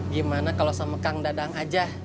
gimana kalau sama kang dadang aja